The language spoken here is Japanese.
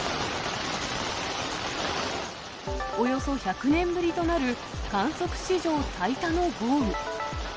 およそ１００年ぶりとなる、観測史上最多の豪雨。